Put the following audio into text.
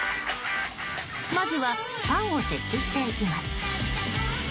まずはパンを設置していきます。